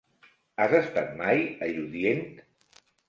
Has estat mai a Lludient?